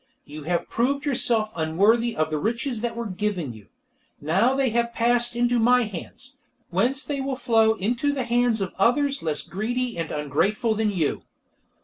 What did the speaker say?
You have proved yourself unworthy of the riches that were given you. Now they have passed into my hands, whence they will flow into the hands of others less greedy and ungrateful than you."